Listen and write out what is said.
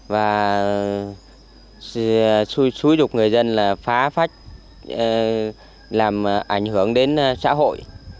và xui dục người dân là phá phách làm ảnh hưởng đến xã hội